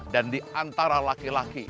dan diantara laki laki